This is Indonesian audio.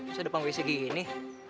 bisa depan wc gini